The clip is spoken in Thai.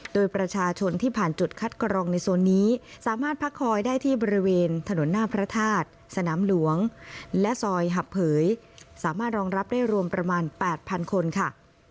โดยประชาชนที่ผ่านจุดคัดกรองในโซนนี้สามารถพักคอยได้ที่บริเวณถนนหน้าพระธาตุสนามหลวงและซอยหับเผยสามารถรองรับได้รวมประมาณ๘๐๐คนค่ะ